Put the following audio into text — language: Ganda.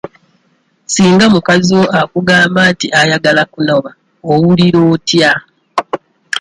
Singa mukazi wo akugamba nti ayagala kunoba owulira otya?